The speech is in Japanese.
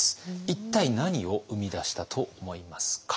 一体何を生み出したと思いますか？